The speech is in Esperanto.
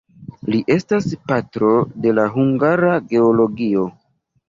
Li estas "patro" de la hungara geologio.